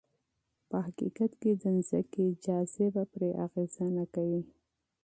په حقیقت کې د ځمکې جاذبه پرې اغېز نه کوي.